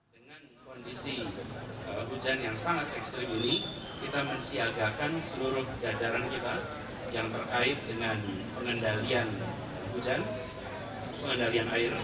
dengan kondisi hujan yang sangat ekstribuni kita mensiagakan seluruh jajaran kita yang terkait dengan